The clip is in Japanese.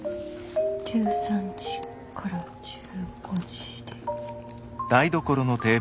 １３時から１５時で。